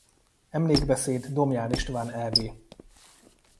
Emlékbeszéd Domján István ev.